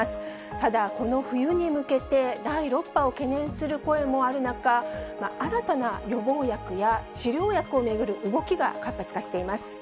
ただ、この冬に向けて第６波を懸念する声もある中、新たな予防薬や治療薬を巡る動きが活発化しています。